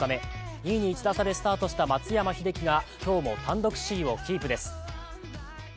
２位に１打差でスタートした松山英樹が今日も単独首位をキープです。